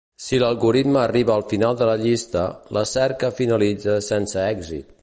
Si l"algoritme arriba al final de la llista, la cerca finalitza sense èxit.